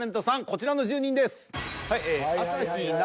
こちらの１０人です。